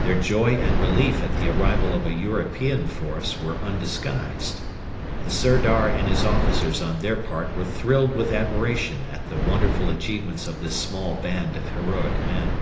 Their joy and relief at the arrival of a European force were undisguised. The Sirdar and his officers on their part were thrilled with admiration at the wonderful achievements of this small band of heroic men.